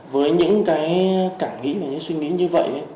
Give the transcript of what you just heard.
với những cái cảm nghĩ và những suy nghĩ như vậy